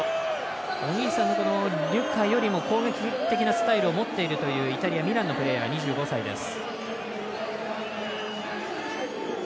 お兄さんのリュカよりも攻撃的なスタイルを持っているというイタリア、ミランのプレーヤー２５歳です。